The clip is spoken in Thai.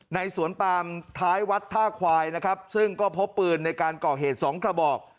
สวนปามท้ายวัดท่าควายนะครับซึ่งก็พบปืนในการก่อเหตุสองกระบอก